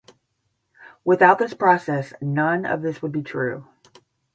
Without this process none of this would be true.